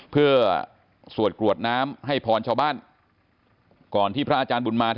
เพื่อสวดกรวดน้ำให้พรชาวบ้านก่อนที่พระอาจารย์บุญมา